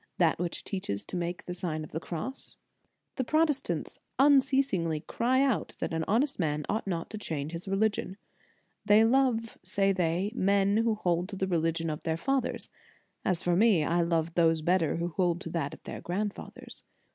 That which teaches to make the Sign of the Cross? The Protestants unceasingly cry out that an honest man ought not to change his reli gion. They love, say they, men who hold to the religion of their fathers ; as for me, I love those better who hold to that of their grand fathers.